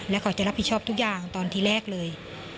และเขาจะรับผิดชอบทุกอย่างตอนที่แรกเลย